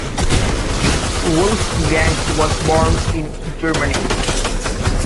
Wolfgang was born in Germany.